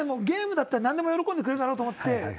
ゲームだったら何でも喜んでくれるだろうと思って。